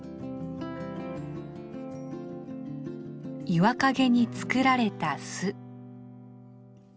岩陰に作られた巣。